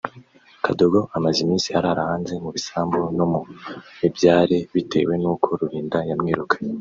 Kadogo amaze iminsi arara hanze mu bisambu no mu mibyare bitewe nuko Rulinda yamwirukanye